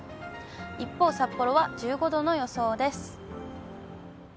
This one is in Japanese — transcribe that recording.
一方、札幌は１５度の予想です。